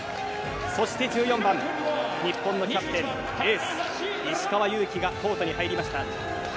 そして１４番、日本のキャプテンエース、石川祐希がコートに入りました。